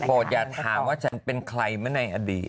โปรดอย่าถามว่าฉันเป็นใครไหมในอดีต